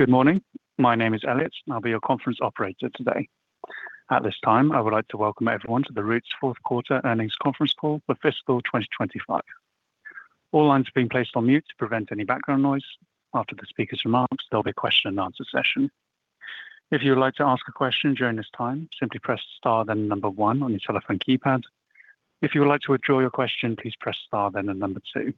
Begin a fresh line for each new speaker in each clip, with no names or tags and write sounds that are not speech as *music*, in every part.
Good morning. My name is Elliot, and I'll be your conference operator today. At this time, I would like to welcome everyone to Roots' fourth quarter earnings conference call for fiscal 2025. All lines have been placed on mute to prevent any background noise. After the speaker's remarks, there'll be a question and answer session. If you would like to ask a question during this time, simply press star then one on your telephone keypad. If you would like to withdraw your question, please press star then the number two.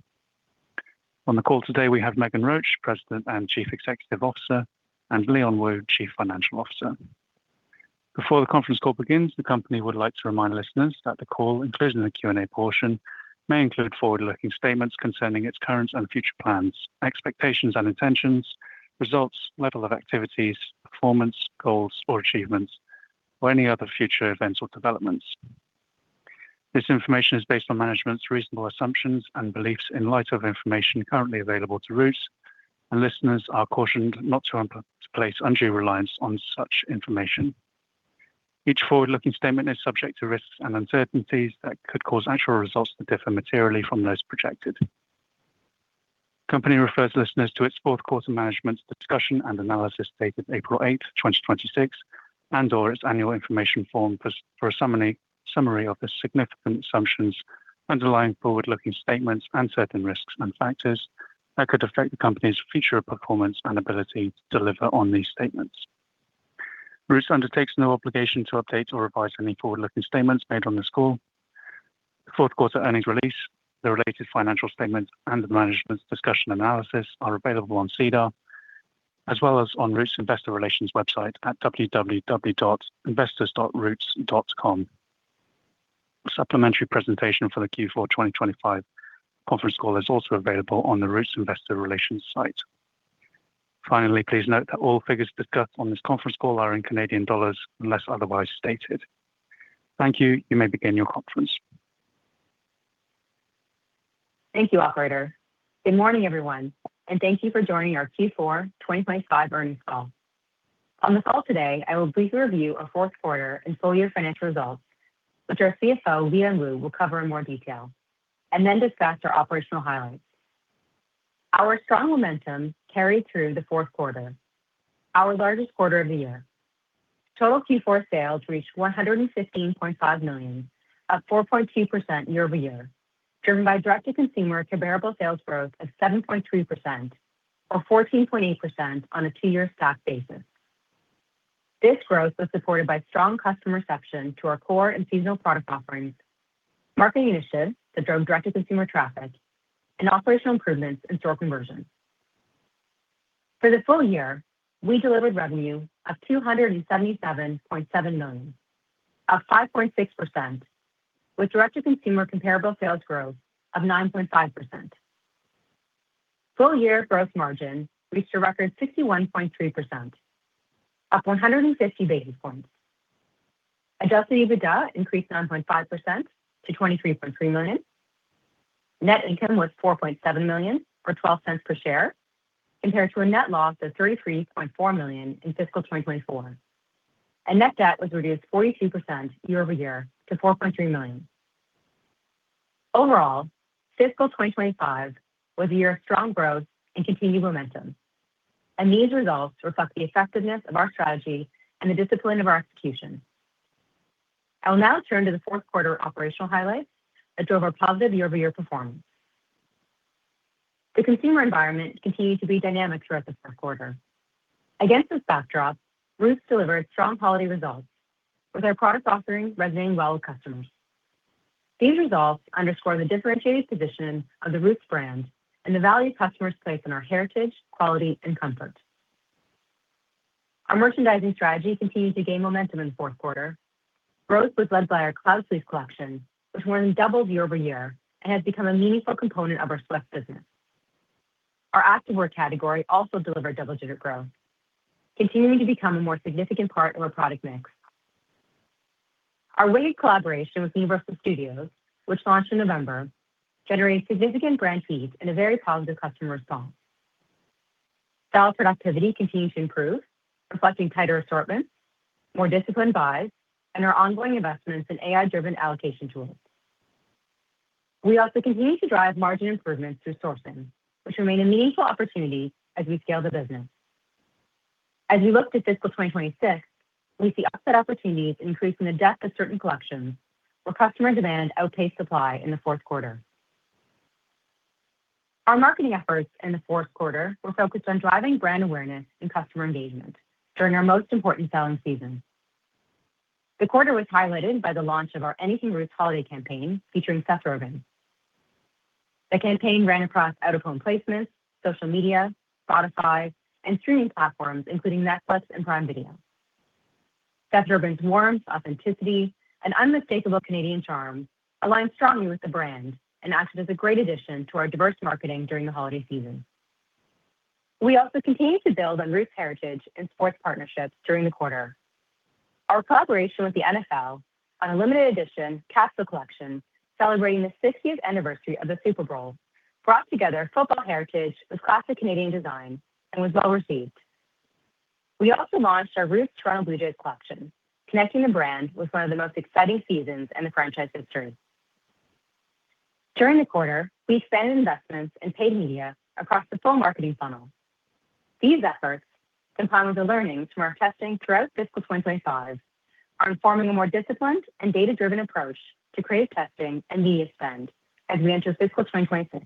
On the call today, we have Meghan Roach, President and Chief Executive Officer, and Leon Wu, Chief Financial Officer. Before the conference call begins, the company would like to remind listeners that the call, including the Q&A portion, may include forward-looking statements concerning its current and future plans, expectations and intentions, results, level of activities, performance, goals or achievements, or any other future events or developments. This information is based on management's reasonable assumptions and beliefs in light of information currently available to Roots, and listeners are cautioned not to place undue reliance on such information. Each forward-looking statement is subject to risks and uncertainties that could cause actual results to differ materially from those projected. The company refers listeners to its fourth quarter management's discussion and analysis dated April 8th, 2026 and/or its annual information form for a summary of the significant assumptions underlying forward-looking statements and certain risks and factors that could affect the company's future performance and ability to deliver on these statements. Roots undertakes no obligation to update or revise any forward-looking statements made on this call. The fourth quarter earnings release, the related financial statements, and the management's discussion and analysis are available on SEDAR, as well as on Roots' Investor Relations website at www.investors.roots.com. A supplementary presentation for the Q4 2025 conference call is also available on the Roots Investor Relations site. Finally, please note that all figures discussed on this conference call are in Canadian dollars unless otherwise stated. Thank you. You may begin your conference.
Thank you, Operator. Good morning, everyone, and thank you for joining our Q4 2025 earnings call. On this call today, I will briefly review our fourth quarter and full year financial results, which our CFO, Leon Wu, will cover in more detail, and then discuss our operational highlights. Our strong momentum carried through the fourth quarter, our largest quarter of the year. Total Q4 sales reached 115.5 million, up 4.2% year-over-year, driven by direct-to-consumer comparable sales growth of 7.3%, or 14.8% on a two-year stack basis. This growth was supported by strong customer reception to our core and seasonal product offerings, marketing initiatives that drove direct-to-consumer traffic, and operational improvements in store conversions. For the full year, we delivered revenue of 277.7 million, up 5.6%, with direct-to-consumer comparable sales growth of 9.5%. Full year gross margin reached a record 61.3%, up 150 basis points. Adjusted EBITDA increased 9.5% to 23.3 million. Net income was 4.7 million, or 0.12/share, compared to a net loss of 33.4 million in fiscal 2024, and net debt was reduced 42% year-over-year to 4.3 million. Overall, fiscal 2025 was a year of strong growth and continued momentum, and these results reflect the effectiveness of our strategy and the discipline of our execution. I will now turn to the fourth quarter operational highlights that drove our positive year-over-year performance. The consumer environment continued to be dynamic throughout the fourth quarter. Against this backdrop, Roots delivered strong holiday results with our product offerings resonating well with customers. These results underscore the differentiated position of the Roots brand and the value customers place on our heritage, quality, and comfort. Our merchandising strategy continued to gain momentum in the fourth quarter. Growth was led by our Cloud Fleece collection, which more than doubled year-over-year and has become a meaningful component of our sweat business. Our activewear category also delivered double-digit growth, continuing to become a more significant part of our product mix. Our Wicked collaboration with Universal Studios, which launched in November, generated significant brand fees and a very positive customer response. Style productivity continued to improve, reflecting tighter assortments, more disciplined buys, and our ongoing investments in AI-driven allocation tools. We also continue to drive margin improvements through sourcing, which remain a meaningful opportunity as we scale the business. As we look to fiscal 2026, we see offset opportunities increasing the depth of certain collections where customer demand outpaced supply in the fourth quarter. Our marketing efforts in the fourth quarter were focused on driving brand awareness and customer engagement during our most important selling season. The quarter was highlighted by the launch of our Anything Roots holiday campaign, featuring Seth Rogen. The campaign ran across out of home placements, social media, Spotify, and streaming platforms, including Netflix and Prime Video. Seth Rogen's warmth, authenticity, and unmistakable Canadian charm aligns strongly with the brand and acted as a great addition to our diverse marketing during the holiday season. We also continued to build on Roots heritage and sports partnerships during the quarter. Our collaboration with the NFL on a limited edition capsule collection celebrating the 60th anniversary of the Super Bowl, brought together football heritage with classic Canadian design and was well received. We also launched our Roots Toronto Blue Jays collection, connecting the brand with one of the most exciting seasons in the franchise history. During the quarter, we spent investments in paid media across the full marketing funnel. These efforts, combined with the learnings from our testing throughout fiscal 2025, are informing a more disciplined and data-driven approach to creative testing and media spend as we enter fiscal 2026.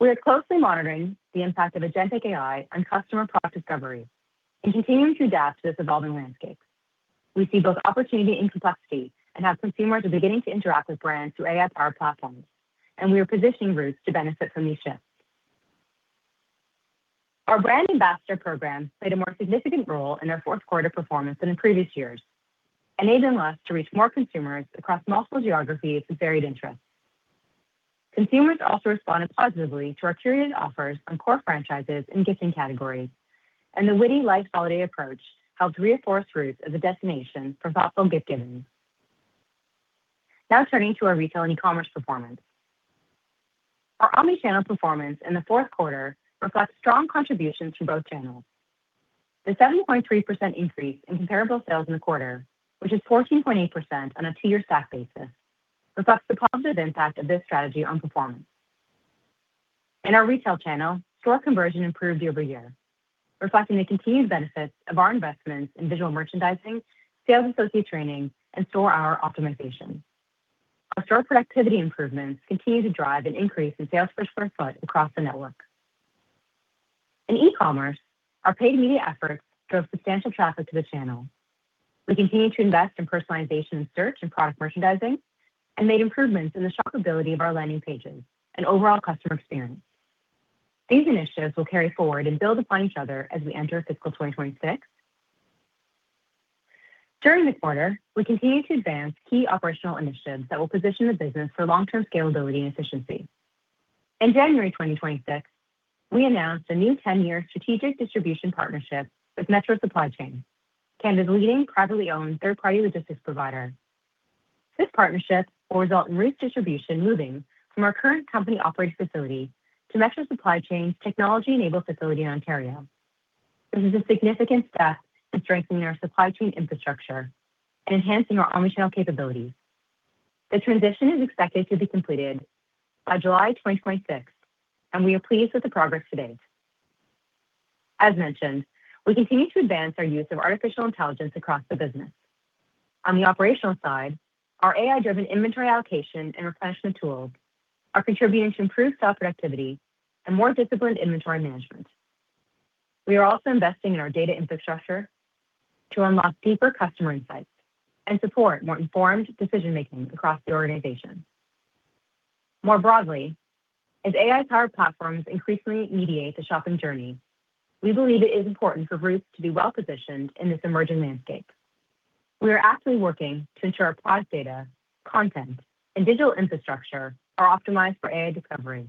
We are closely monitoring the impact of agentic AI on customer product discovery and continuing to adapt to this evolving landscape. We see both opportunity and complexity, and how consumers are beginning to interact with brands through AI platforms, and we are positioning Roots to benefit from these shifts. Our brand ambassador program played a more significant role in our fourth quarter performance than in previous years, enabling us to reach more consumers across multiple geographies with varied interests. Consumers also responded positively to our curated offers on core franchises and gifting categories, and the witty and warm holiday approach helped reinforce Roots as a destination for thoughtful gift-giving. Now turning to our retail and e-commerce performance. Our omni-channel performance in the fourth quarter reflects strong contributions from both channels. The 7.3% increase in comparable sales in the quarter, which is 14.8% on a two-year stack basis, reflects the positive impact of this strategy on performance. In our retail channel, store conversion improved year-over-year, reflecting the continued benefits of our investments in visual merchandising, sales associate training, and store hour optimization. Our store productivity improvements continue to drive an increase in sales per square foot across the network. In e-commerce, our paid media efforts drove substantial traffic to the channel. We continued to invest in personalization in search and product merchandising, and made improvements in the shopability of our landing pages and overall customer experience. These initiatives will carry forward and build upon each other as we enter fiscal 2026. During the quarter, we continued to advance key operational initiatives that will position the business for long-term scalability and efficiency. In January 2026, we announced a new 10-year strategic distribution partnership with Metro Supply Chain, Canada's leading privately owned third-party logistics provider. This partnership will result in Roots distribution moving from our current company-operated facility to Metro Supply Chain's technology-enabled facility in Ontario. This is a significant step to strengthening our supply chain infrastructure and enhancing our omni-channel capabilities. The transition is expected to be completed by July 2026, and we are pleased with the progress to date. As mentioned, we continue to advance our use of artificial intelligence across the business. On the operational side, our AI-driven inventory allocation and replenishment tools are contributing to improved stock productivity and more disciplined inventory management. We are also investing in our data infrastructure to unlock deeper customer insights and support more informed decision-making across the organization. More broadly, as AI-powered platforms increasingly mediate the shopping journey, we believe it is important for Roots to be well-positioned in this emerging landscape. We are actively working to ensure our product data, content, and digital infrastructure are optimized for AI discovery,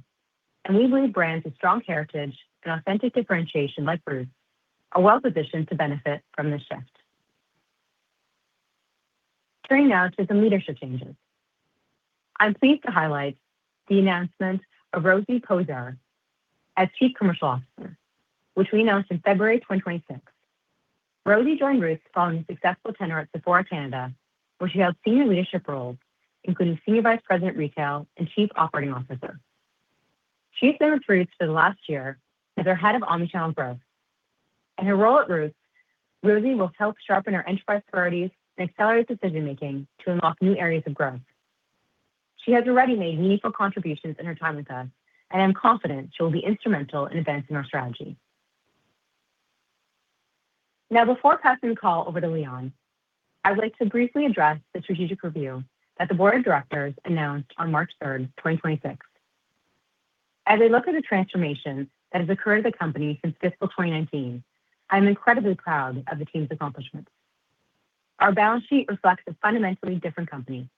and we believe brands with strong heritage and authentic differentiation like Roots are well positioned to benefit from this shift. Turning now to some leadership changes. I'm pleased to highlight the announcement of Rosie Pouzar as Chief Commercial Officer, which we announced in February 2026. Rosie joined Roots following a successful tenure at Sephora Canada, where she held senior leadership roles, including Senior Vice President of Retail and Chief Operating Officer. She has served Roots for the last year as our head of omni-channel growth. In her role at Roots, Rosie will help sharpen our enterprise priorities and accelerate decision-making to unlock new areas of growth. She has already made meaningful contributions in her time with us, and I'm confident she will be instrumental in advancing our strategy. Now, before passing the call over to Leon, I'd like to briefly address the strategic review that the Board of Directors announced on March 3rd, 2026. As I look at the transformation that has occurred at the company since fiscal 2019, I am incredibly proud of the team's accomplishments. Our balance sheet reflects a fundamentally different company.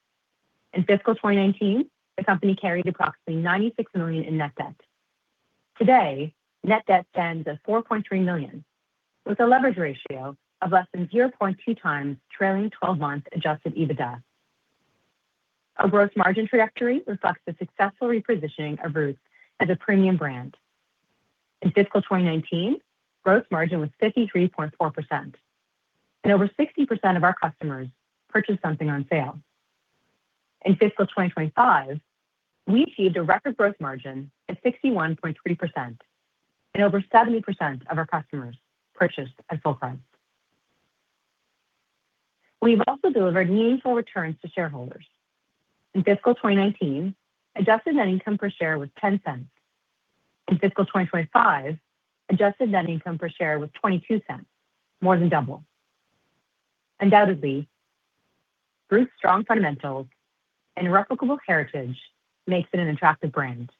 In fiscal 2019, the company carried approximately 96 million in net debt. Today, net debt stands at 4.3 million, with a leverage ratio of less than 0.2x trailing 12-month adjusted EBITDA. Our gross margin trajectory reflects the successful repositioning of Roots as a premium brand. In fiscal 2019, gross margin was 53.4%, and over 60% of our customers purchased something on sale. In fiscal 2025, we achieved a record gross margin of 61.3%, and over 70% of our customers purchased at full price. We've also delivered meaningful returns to shareholders. In fiscal 2019, adjusted net income per share was 0.10. In fiscal 2025, adjusted net income per share was 0.22, more than double. Undoubtedly, Roots' strong fundamentals and replicable heritage makes it an attractive brand.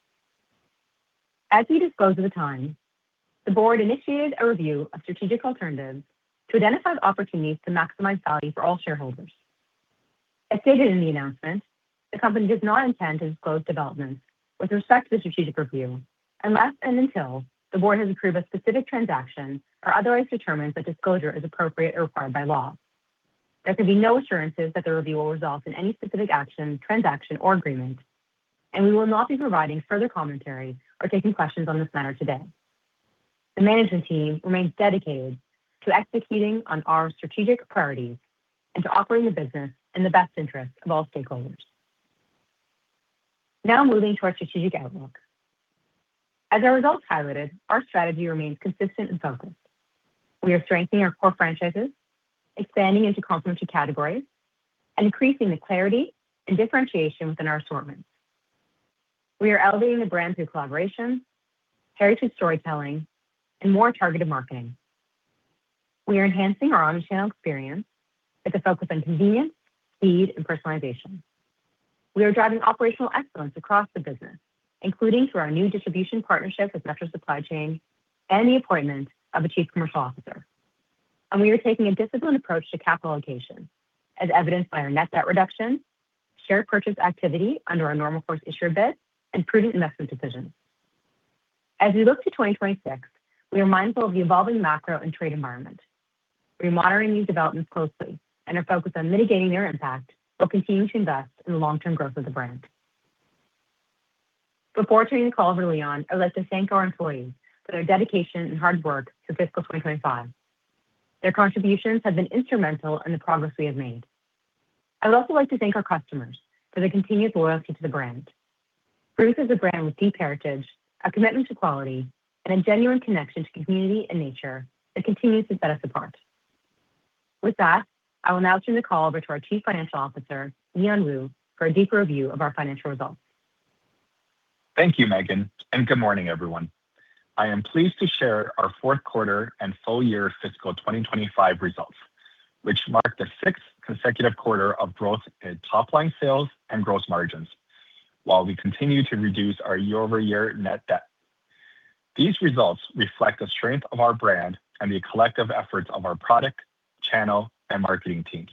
As we disclosed at the time, the Board initiated a review of strategic alternatives to identify opportunities to maximize value for all shareholders. As stated in the announcement, the company does not intend to disclose developments with respect to the strategic review unless and until the Board has approved a specific transaction or otherwise determined that disclosure is appropriate or required by law. There can be no assurances that the review will result in any specific action, transaction, or agreement, and we will not be providing further commentary or taking questions on this matter today. The management team remains dedicated to executing on our strategic priorities and to operating the business in the best interest of all stakeholders. Now moving to our strategic outlook. As our results highlighted, our strategy remains consistent and focused. We are strengthening our core franchises, expanding into complementary categories, and increasing the clarity and differentiation within our assortments. We are elevating the brand through collaboration, heritage storytelling, and more targeted marketing. We are enhancing our omni-channel experience with a focus on convenience, speed, and personalization. We are driving operational excellence across the business, including through our new distribution partnership with Metro Supply Chain and the appointment of a Chief Commercial Officer. We are taking a disciplined approach to capital allocation, as evidenced by our net debt reduction, share purchase activity under our Normal Course Issuer Bid, and prudent investment decisions. As we look to 2026, we are mindful of the evolving macro and trade environment. We're monitoring these developments closely and are focused on mitigating their impact while continuing to invest in the long-term growth of the brand. Before turning the call over to Leon, I'd like to thank our employees for their dedication and hard work to fiscal 2025. Their contributions have been instrumental in the progress we have made. I would also like to thank our customers for their continued loyalty to the brand. Roots is a brand with deep heritage, a commitment to quality, and a genuine connection to community and nature that continues to set us apart. With that, I will now turn the call over to our Chief Financial Officer, Leon Wu, for a deeper review of our financial results.
Thank you, Meghan, and good morning, everyone. I am pleased to share our fourth quarter and full year fiscal 2025 results, which mark the sixth consecutive quarter of growth in top-line sales and gross margins while we continue to reduce our year-over-year net debt. These results reflect the strength of our brand and the collective efforts of our product, channel, and marketing teams,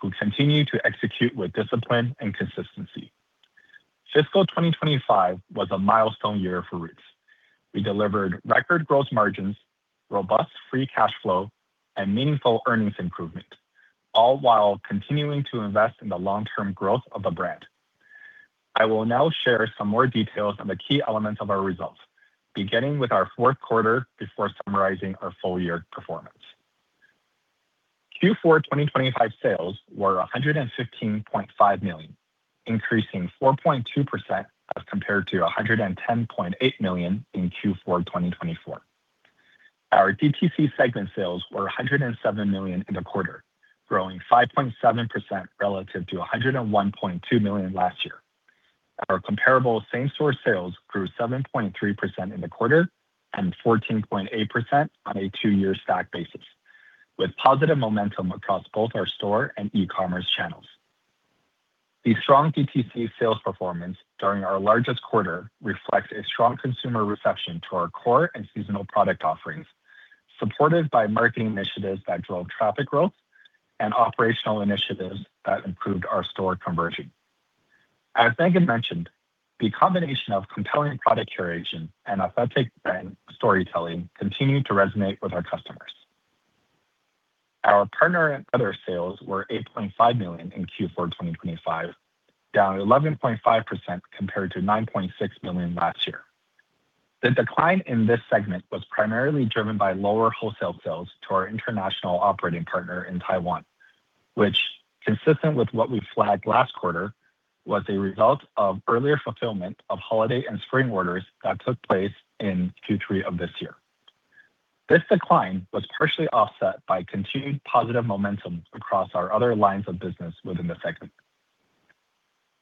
who continue to execute with discipline and consistency. Fiscal 2025 was a milestone year for Roots. We delivered record gross margins, robust free cash flow, and meaningful earnings improvement, all while continuing to invest in the long-term growth of the brand. I will now share some more details on the key elements of our results, beginning with our fourth quarter before summarizing our full year performance. Q4 2025 sales were 115.5 million, increasing 4.2% as compared to 110.8 million in Q4 2024. Our DTC segment sales were 107 million in the quarter, growing 5.7% relative to 101.2 million last year. Our comparable same-store sales grew 7.3% in the quarter and 14.8% on a two-year stack basis, with positive momentum across both our store and e-commerce channels. The strong DTC sales performance during our largest quarter reflects a strong consumer reception to our core and seasonal product offerings, supported by marketing initiatives that drove traffic growth and operational initiatives that improved our store conversion. As Meghan mentioned, the combination of compelling product curation and authentic brand storytelling continued to resonate with our customers. Our partner and other sales were 8.5 million in Q4 2025, down 11.5% compared to 9.6 million last year. The decline in this segment was primarily driven by lower wholesale sales to our international operating partner in Taiwan, which, consistent with what we flagged last quarter, was a result of earlier fulfillment of holiday and spring orders that took place in Q3 of this year. This decline was partially offset by continued positive momentum across our other lines of business within the segment.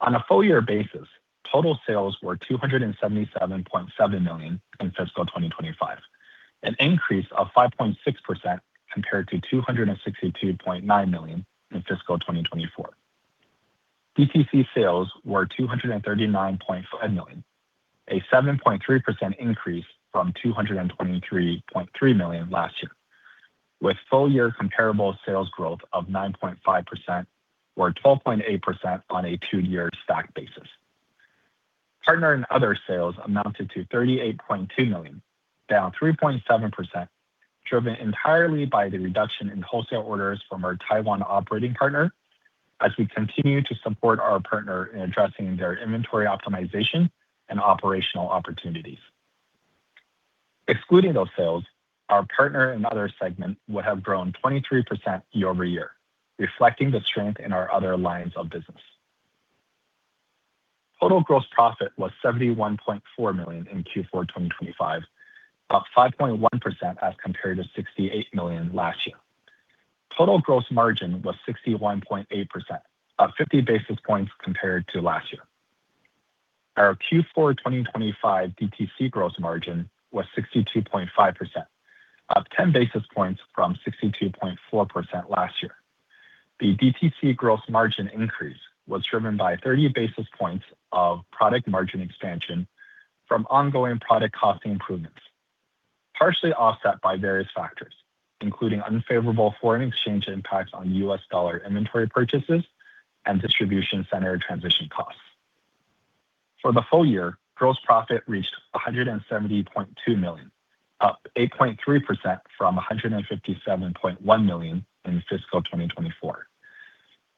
On a full year basis, total sales were 277.7 million in fiscal 2025, an increase of 5.6% compared to 262.9 million in fiscal 2024. DTC sales were 239.5 million, a 7.3% increase from 223.3 million last year, with full year comparable sales growth of 9.5% or 12.8% on a two-year stack basis. Partner and other sales amounted to 38.2 million, down 3.7%, driven entirely by the reduction in wholesale orders from our Taiwan operating partner as we continue to support our partner in addressing their inventory optimization and operational opportunities. Excluding those sales, our partner and other segment would have grown 23% year-over-year, reflecting the strength in our other lines of business. Total gross profit was 71.4 million in Q4 2025, up 5.1% as compared to 68 million last year. Total gross margin was 61.8%, up 50 basis points compared to last year. Our Q4 2025 DTC gross margin was 62.5%, up 10 basis points from 62.4% last year. The DTC gross margin increase was driven by 30 basis points of product margin expansion from ongoing product costing improvements, partially offset by various factors, including unfavorable foreign exchange impacts on US dollar inventory purchases and distribution center transition costs. For the full year, gross profit reached 170.2 million, up 8.3% from 157.1 million in fiscal 2024.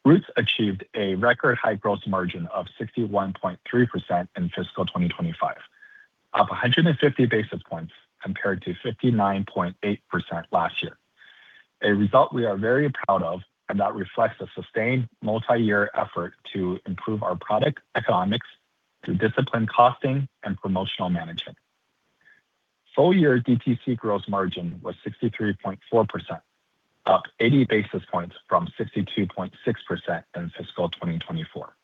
Roots achieved a record high gross margin of 61.3% in fiscal 2025, up 150 basis points compared to 59.8% last year. A result we are very proud of, and that reflects a sustained multi-year effort to improve our product economics through disciplined costing and promotional management. Full year DTC gross margin was 63.4%, up 80 basis points from 62.6% in fiscal 2024.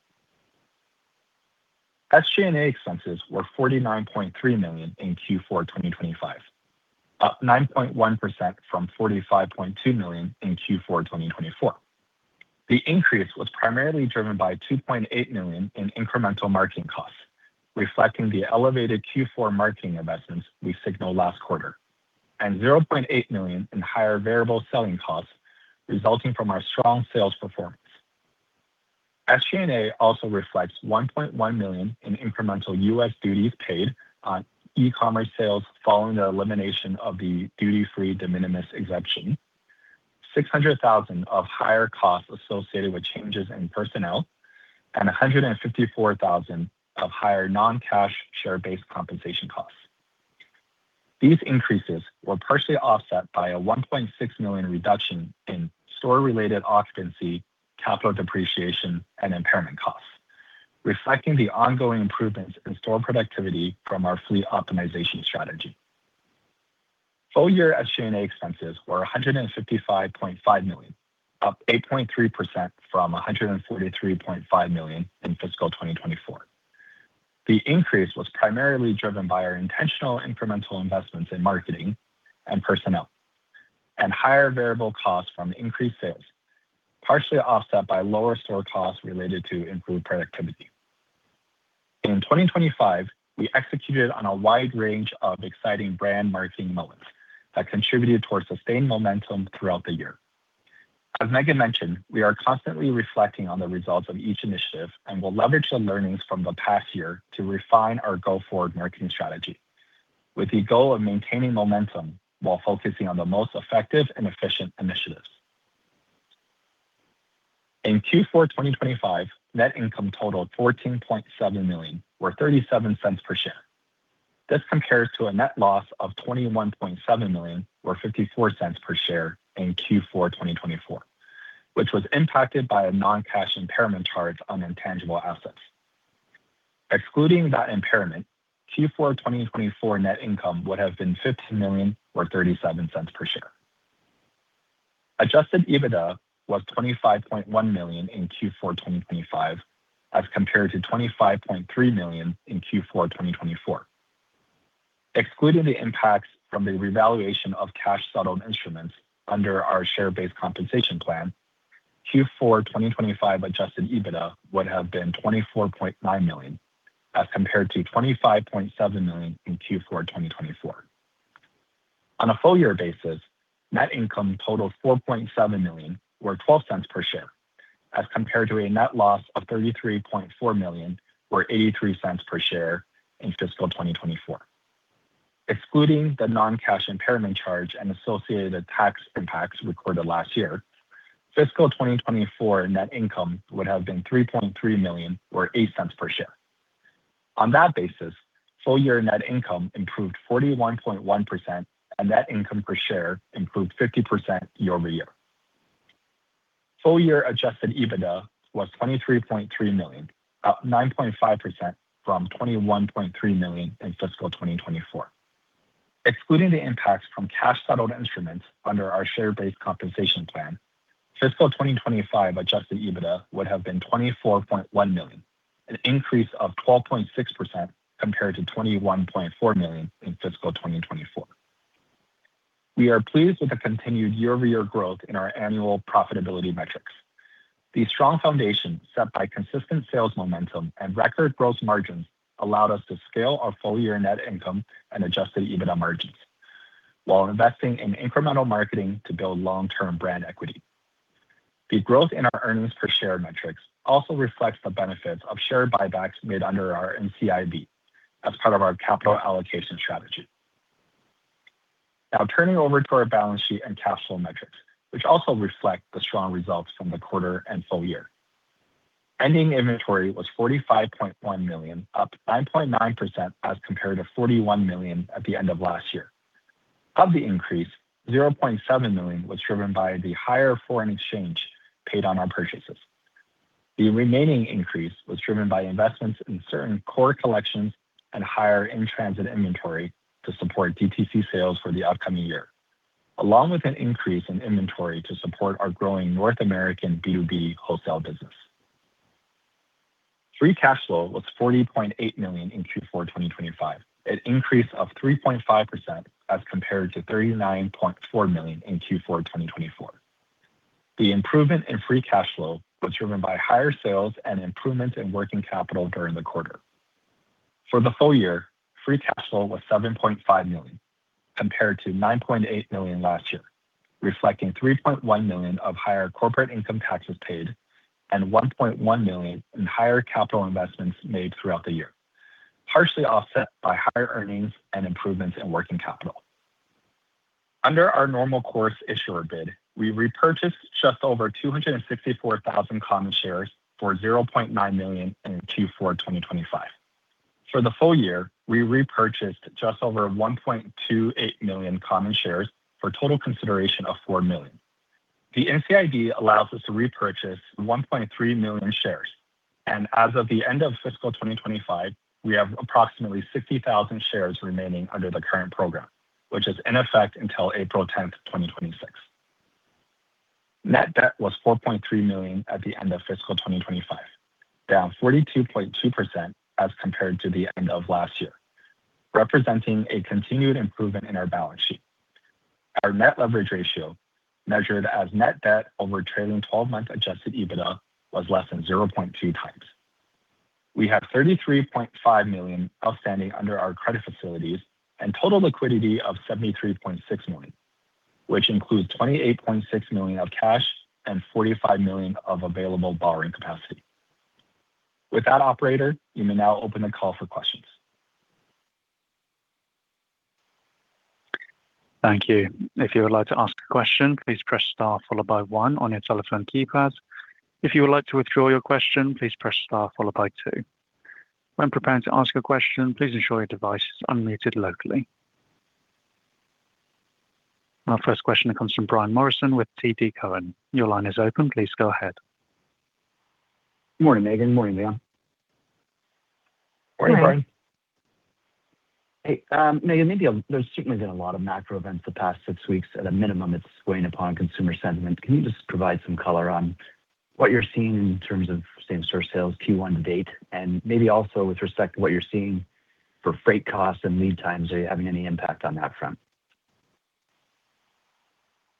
SG&A expenses were 49.3 million in Q4 2025, up 9.1% from 45.2 million in Q4 2024. The increase was primarily driven by 2.8 million in incremental marketing costs, reflecting the elevated Q4 marketing investments we signaled last quarter, and 0.8 million in higher variable selling costs, resulting from our strong sales performance. SG&A also reflects 1.1 million in incremental U.S. duties paid on e-commerce sales following the elimination of the duty-free de minimis exemption, 600,000 of higher costs associated with changes in personnel, and 154,000 of higher non-cash share-based compensation costs. These increases were partially offset by a 1.6 million reduction in store-related occupancy, capital depreciation, and impairment costs, reflecting the ongoing improvements in store productivity from our fleet optimization strategy. Full year SG&A expenses were 155.5 million, up 8.3% from 143.5 million in fiscal 2024. The increase was primarily driven by our intentional incremental investments in marketing and personnel, and higher variable costs from increased sales, partially offset by lower store costs related to improved productivity. In 2025, we executed on a wide range of exciting brand marketing moments that contributed towards sustained momentum throughout the year. As Meghan mentioned, we are constantly reflecting on the results of each initiative and will leverage the learnings from the past year to refine our go-forward marketing strategy, with the goal of maintaining momentum while focusing on the most effective and efficient initiatives. In Q4 2025, net income totaled 14.7 million, or 0.37/share. This compares to a net loss of 21.7 million, or 0.54/share in Q4 2024, which was impacted by a non-cash impairment charge on intangible assets. Excluding that impairment, Q4 2024 net income would have been 15 million or 0.37/share. Adjusted EBITDA was 25.1 million in Q4 2025 as compared to 25.3 million in Q4 2024. Excluding the impacts from the revaluation of cash settled instruments under our share-based compensation plan, Q4 2025 adjusted EBITDA would have been 24.9 million as compared to 25.7 million in Q4 2024. On a full year basis, net income totaled 4.7 million or 0.12/share as compared to a net loss of 33.4 million or 0.83/share in fiscal 2024. Excluding the non-cash impairment charge and associated tax impacts recorded last year, fiscal 2024 net income would have been 3.3 million or 0.08/share. On that basis, full year net income improved 41.1% and net income per share improved 50% year-over-year. Full year adjusted EBITDA was 23.3 million, up 9.5% from 21.3 million in fiscal 2024. Excluding the impacts from cash settled instruments under our share-based compensation plan, fiscal 2025 adjusted EBITDA would have been 24.1 million, an increase of 12.6% compared to 21.4 million in fiscal 2024. We are pleased with the continued year-over-year growth in our annual profitability metrics. The strong foundation set by consistent sales momentum and record gross margins allowed us to scale our full year net income and adjusted EBITDA margins while investing in incremental marketing to build long-term brand equity. The growth in our earnings per share metrics also reflects the benefits of share buybacks made under our NCIB as part of our capital allocation strategy. Now turning over to our balance sheet and cash flow metrics, which also reflect the strong results from the quarter and full year. Ending inventory was 45.1 million, up 9.9% as compared to 41 million at the end of last year. Of the increase, 0.7 million was driven by the higher foreign exchange paid on our purchases. The remaining increase was driven by investments in certain core collections and higher in-transit inventory to support DTC sales for the upcoming year, along with an increase in inventory to support our growing North American B2B wholesale business. Free cash flow was 40.8 million in Q4 2025, an increase of 3.5% as compared to 39.4 million in Q4 2024. The improvement in free cash flow was driven by higher sales and improvement in working capital during the quarter. For the full year, free cash flow was 7.5 million compared to 9.8 million last year, reflecting 3.1 million of higher corporate income taxes paid and 1.1 million in higher capital investments made throughout the year, partially offset by higher earnings and improvements in working capital. Under our Normal Course Issuer Bid, we repurchased just over 264,000 common shares for 0.9 million in Q4 2025. For the full year, we repurchased just over 1.28 million common shares for a total consideration of 4 million. The NCIB allows us to repurchase 1.3 million shares, and as of the end of fiscal 2025, we have approximately 60,000 shares remaining under the current program, which is in effect until April 10th, 2026. Net debt was 4.3 million at the end of fiscal 2025, down 42.2% as compared to the end of last year, representing a continued improvement in our balance sheet. Our net leverage ratio, measured as net debt over trailing 12-month Adjusted EBITDA, was less than 0.2x. We had 33.5 million outstanding under our credit facilities and total liquidity of 73.6 million, which includes 28.6 million of cash and 45 million of available borrowing capacity. With that, Operator, you may now open the call for questions.
Thank you. If you would like to ask a question, please press star followed by one on your telephone keypad. If you would like to withdraw your question, please press star followed by two. When preparing to ask a question, please ensure your device is unmuted locally. Our first question comes from Brian Morrison with TD Cowen. Your line is open. Please go ahead.
Morning, Meghan. Morning, Leon.
Morning, Brian.
Hey, Meghan, there's certainly been a lot of macro events the past six weeks. At a minimum, it's weighing upon consumer sentiment. Can you just provide some color on what you're seeing in terms of same-store sales Q1 to date, and maybe also with respect to what you're seeing for freight costs and lead times? Are you having any impact on that front?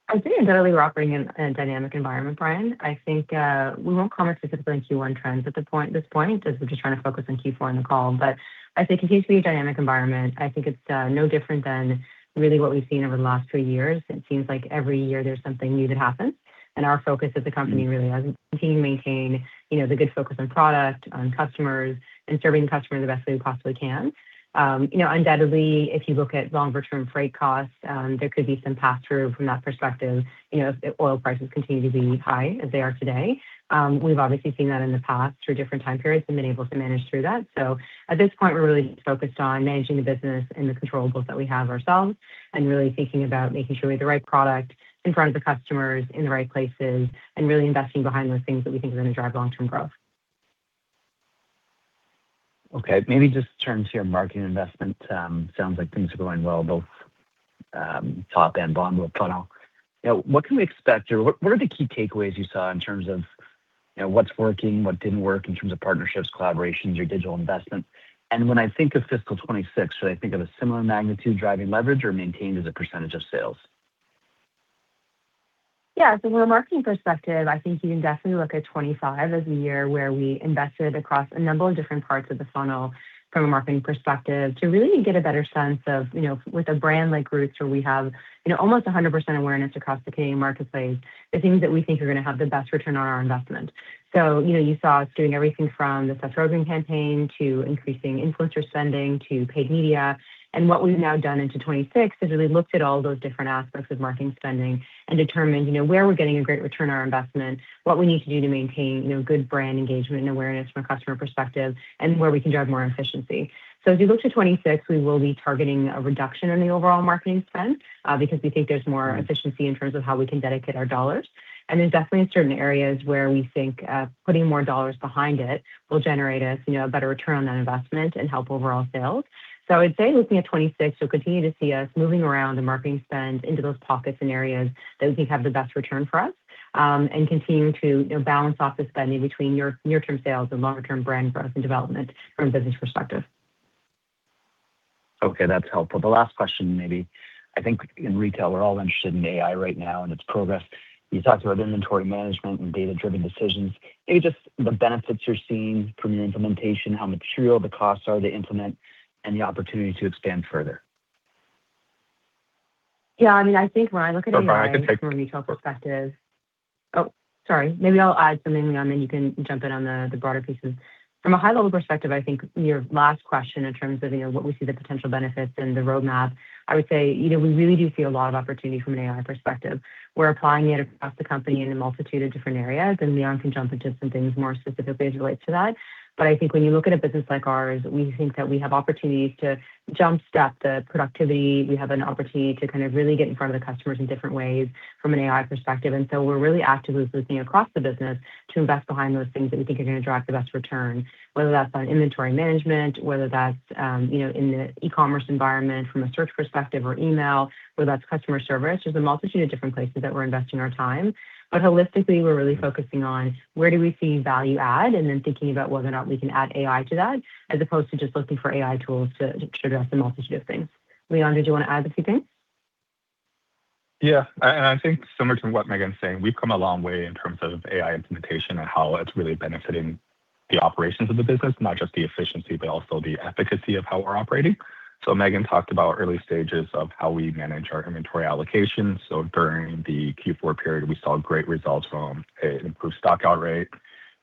I think undoubtedly we're operating in a dynamic environment, Brian. I think we won't comment specifically on Q1 trends at this point, because we're just trying to focus on Q4 in the call. I think it continues to be a dynamic environment. I think it's no different than really what we've seen over the last three years. It seems like every year there's something new that happens, and our focus as a company really is to maintain the good focus on product, on customers, and serving the customer the best way we possibly can. Undoubtedly, if you look at longer term freight costs, there could be some pass-through from that perspective if oil prices continue to be high as they are today. We've obviously seen that in the past through different time periods and been able to manage through that. At this point, we're really focused on managing the business and the controllables that we have ourselves and really thinking about making sure we have the right product in front of the customers in the right places, and really investing behind those things that we think are going to drive long term growth.
Okay, maybe just in terms of your marketing investment. Sounds like things are going well, both top and bottom of the funnel. Now, what can we expect or what are the key takeaways you saw in terms of what's working, what didn't work in terms of partnerships, collaborations, your digital investment? When I think of fiscal 2026, should I think of a similar magnitude driving leverage or maintained as a percentage of sales?
Yeah. From a marketing perspective, I think you can definitely look at 2025 as the year where we invested across a number of different parts of the funnel from a marketing perspective to really get a better sense of, with a brand like Roots, where we have almost 100% awareness across the Canadian marketplace, the things that we think are going to have the best return on our investment. You saw us doing everything from the Seth Rogen campaign to increasing influencer spending to paid media. What we've now done into 2026 is really looked at all those different aspects of marketing spending and determined where we're getting a great return on our investment, what we need to do to maintain good brand engagement and awareness from a customer perspective, and where we can drive more efficiency. As we look to 2026, we will be targeting a reduction in the overall marketing spend because we think there's more efficiency in terms of how we can dedicate our dollars. There's definitely certain areas where we think putting more dollars behind it will generate us a better return on that investment and help overall sales. I would say, looking at 2026, you'll continue to see us moving around the marketing spend into those pockets and areas that we think have the best return for us and continue to balance off the spending between near-term sales and longer-term brand growth and development from a business perspective.
Okay, that's helpful. The last question maybe, I think in retail, we're all interested in AI right now and its progress. You talked about inventory management and data-driven decisions. Maybe just the benefits you're seeing from your implementation, how material the costs are to implement, and the opportunity to expand further.
Yeah, I think when I look at it. *crosstalk*
Sorry, Brian, I can take- Maybe I'll add something, Leon, then you can jump in on the broader pieces. From a high-level perspective, I think your last question in terms of what we see the potential benefits and the roadmap, I would say we really do see a lot of opportunity from an AI perspective. We're applying it across the company in a multitude of different areas, and Leon can jump into some things more specifically as it relates to that. I think when you look at a business like ours, we think that we have opportunities to jumpstart the productivity. We have an opportunity to kind of really get in front of the customers in different ways from an AI perspective.
We're really actively looking across the business to invest behind those things that we think are going to drive the best return, whether that's on inventory management, whether that's in the e-commerce environment from a search perspective or email, whether that's customer service. There's a multitude of different places that we're investing our time. Holistically, we're really focusing on where do we see value add and then thinking about whether or not we can add AI to that, as opposed to just looking for AI tools to address a multitude of things. Leon, did you want to add a few things?
Yeah. I think similar to what Meghan's saying, we've come a long way in terms of AI implementation and how it's really benefiting the operations of the business, not just the efficiency, but also the efficacy of how we're operating. Meghan talked about early stages of how we manage our inventory allocations. During the Q4 period, we saw great results from an improved stockout rate.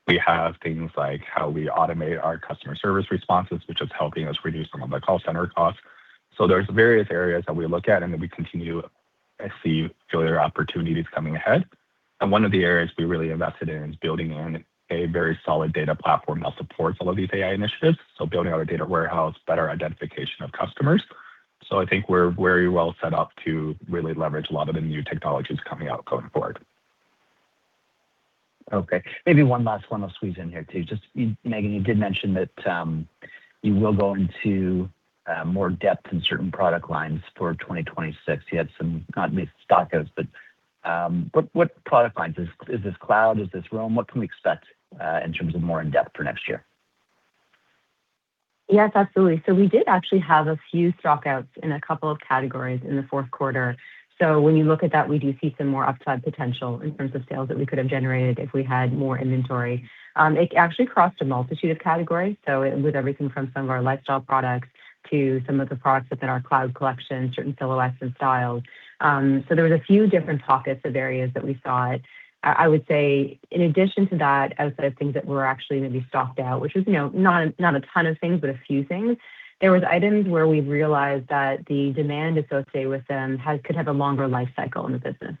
We have things like how we automate our customer service responses, which is helping us reduce some of the call center costs. There's various areas that we look at, and that we continue to see further opportunities coming ahead. One of the areas we really invested in is building on a very solid data platform that supports all of these AI initiatives, building out a data warehouse, better identification of customers. I think we're very well set up to really leverage a lot of the new technologies coming out going forward.
Okay, maybe one last one I'll squeeze in here, too. Meghan, you did mention that you will go into more depth in certain product lines for 2026. You had some, not stockouts, but what product lines? Is this Cloud? Is this Roam? What can we expect in terms of more in-depth for next year?
Yes, absolutely. We did actually have a few stockouts in a couple of categories in the fourth quarter. When you look at that, we do see some more upside potential in terms of sales that we could have generated if we had more inventory. It actually crossed a multitude of categories, so it was everything from some of our lifestyle products to some of the products within our Cloud collection, certain silhouettes and styles. There was a few different pockets of areas that we saw it. I would say in addition to that, outside of things that were actually going to be stocked out, which is not a ton of things, but a few things. There was items where we realized that the demand associated with them could have a longer life cycle in the business.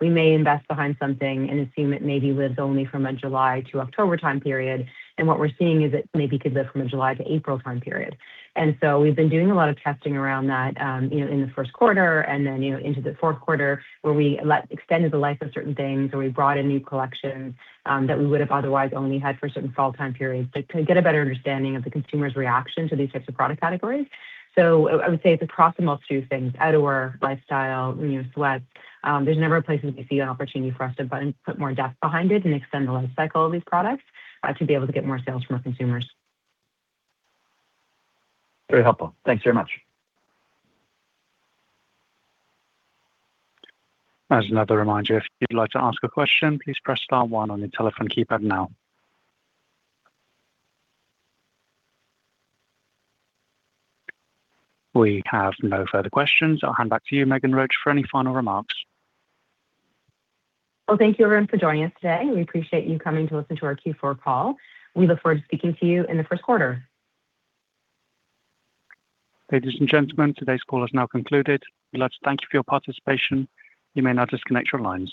We may invest behind something and assume it maybe lives only from a July to October time period, and what we're seeing is it maybe could live from a July to April time period. We've been doing a lot of testing around that in the first quarter and then into the fourth quarter, where we extended the life of certain things or we brought in new collections that we would have otherwise only had for certain fall time periods to get a better understanding of the consumer's reaction to these types of product categories. I would say it's across a multitude of things, outerwear, lifestyle, sweats. There's never a place where we see an opportunity for us to put more depth behind it and extend the life cycle of these products to be able to get more sales from our consumers.
Very helpful. Thanks very much.
As another reminder, if you'd like to ask a question, please press star one on your telephone keypad now. We have no further questions. I'll hand back to you, Meghan Roach, for any final remarks.
Well, thank you everyone for joining us today. We appreciate you coming to listen to our Q4 call. We look forward to speaking to you in the first quarter.
Ladies and gentlemen, today's call has now concluded. We'd like to thank you for your participation. You may now disconnect your lines.